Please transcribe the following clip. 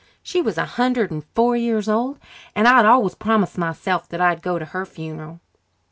She was a hundred and four years old and I'd always promised myself that I'd go to her funeral."